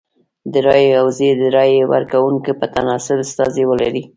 د رایو حوزې د رای ورکوونکو په تناسب استازي ولري.